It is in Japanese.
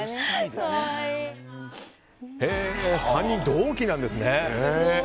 ３人同期なんですね！